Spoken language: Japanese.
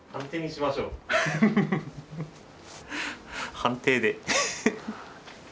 判定で。